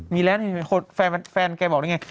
มีแล้วนี่แฟนแกบอกได้ไง